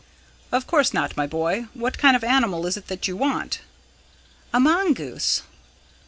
"Of course not, my boy. What kind of animal is it that you want?" "A mongoose."